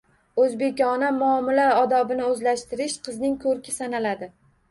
O‘zbekona muomala odobini o‘zlashtirish qizning ko‘rki sanaladi.